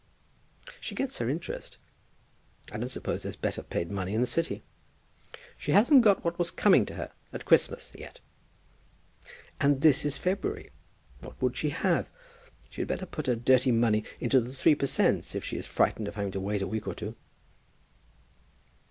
"She gets her interest. I don't suppose there's better paid money in the City." "She hasn't got what was coming to her at Christmas yet." "And this is February. What would she have? She had better put her dirty money into the three per cents., if she is frightened at having to wait a week or two."